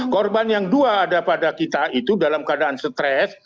korban yang dua ada pada kita itu dalam keadaan stres